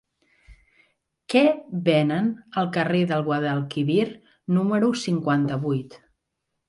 Què venen al carrer del Guadalquivir número cinquanta-vuit?